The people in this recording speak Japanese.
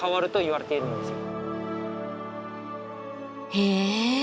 へえ。